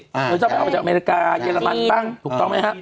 เราต้องไปเอามาจากอเมริกาเยอรมันบ้างถูกต้องไหมครับ